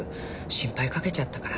心配かけちゃったから。